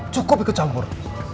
cukup ikut campur